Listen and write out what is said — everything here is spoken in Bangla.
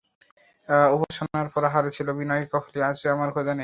উপাসনার পর আহার ছিল– বিনয় কহিল, আজ আমার ক্ষুধা নেই।